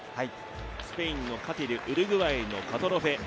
スペインのカティル、ウルグアイのカトロフェ。